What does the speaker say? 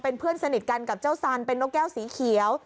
เป็นเพื่อนสนิทกันกับเจ้าสันเป็นนกแก้วสีเขียว